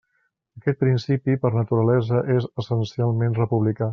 Aquest principi, per naturalesa, és essencialment republicà.